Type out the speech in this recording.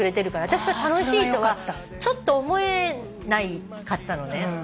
私は楽しいとはちょっと思えなかったのね。